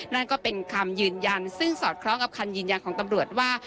นั่นก็เป็นคำยืนยันซึ่งสอดคล้องกับคำยืนยันของตำรวจว่า